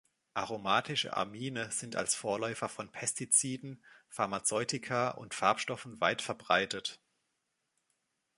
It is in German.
Aromatische Amine sind als Vorläufer von Pestiziden, Pharmazeutika und Farbstoffen weit verbreitet.